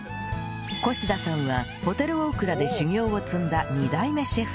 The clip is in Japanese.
越田さんはホテルオークラで修業を積んだ２代目シェフ